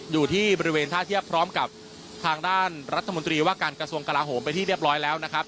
อยู่ที่บริเวณท่าเทียบพร้อมกับทางด้านรัฐมนตรีว่าการกระทรวงกลาโหมไปที่เรียบร้อยแล้วนะครับ